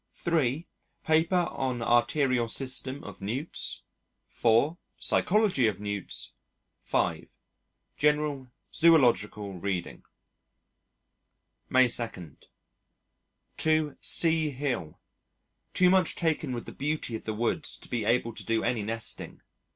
(3) Paper on Arterial System of Newts. (4) Psychology of Newts. (5) General Zoological Reading. May 2. To C Hill. Too much taken with the beauty of the Woods to be able to do any nesting.